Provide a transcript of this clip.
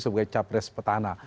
sebagai capres petahana